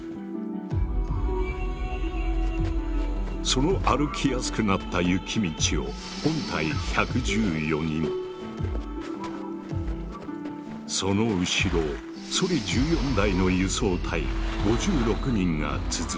その歩きやすくなった雪道をその後ろをソリ１４台の輸送隊５６人が続く。